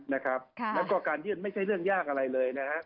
มันก็การยื่นไม่ใช่เรื่องยากอะไรเลย